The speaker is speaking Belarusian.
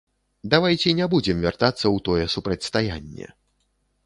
Давайце не будзем вяртацца ў тое супрацьстаянне.